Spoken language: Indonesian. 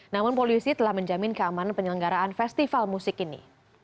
namun polisi telah menjamin keamanan penyelenggaraan festival musik ini